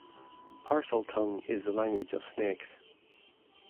Parseltongue is the language of snakes.